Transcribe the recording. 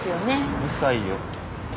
うるさいよ。